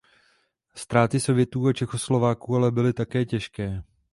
Ztráty Sovětů a Čechoslováků ale byly také těžké.